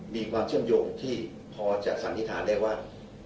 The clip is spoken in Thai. มีความเชื่อมโยงที่พอจะสันนิษฐานได้ว่า